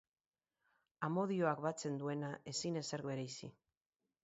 Amodioak batzen duena, ezin ezerk bereizi.